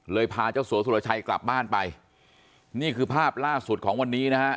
พาเจ้าสัวสุรชัยกลับบ้านไปนี่คือภาพล่าสุดของวันนี้นะฮะ